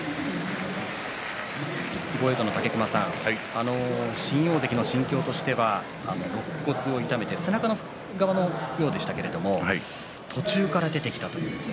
豪栄道の武隈さん新大関の心境としてはろっ骨を痛めて背中側のようでしたけれども途中から出てきた。